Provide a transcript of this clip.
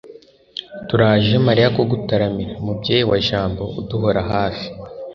turaje mariya kugutaramira, mubyeyi wa jambo uduhora hafi